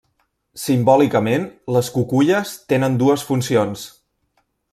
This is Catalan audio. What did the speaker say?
Simbòlicament, les cuculles tenen dues funcions.